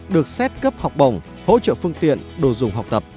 được xét cấp học bổng hỗ trợ phương tiện đồ dùng học tập